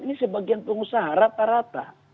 ini sebagian pengusaha rata rata